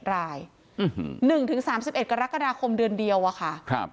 ๑๒๕๑๑ราย๑ถึง๓๑กรกฎาคมเดือนเดียวอ่ะค่ะ